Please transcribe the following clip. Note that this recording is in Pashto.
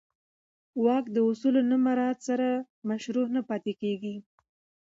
واک د اصولو له نه مراعت سره مشروع نه پاتې کېږي.